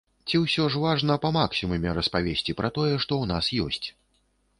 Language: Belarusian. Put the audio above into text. Ці ўсё ж важна па максімуме распавесці пра тое, што ў нас ёсць?